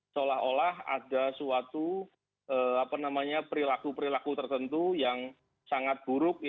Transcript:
seolah olah ada suatu perilaku perilaku tertentu yang sangat buruk